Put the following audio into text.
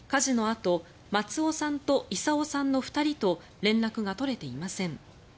あと松生さんと功生さんの２人と連絡が取れていません。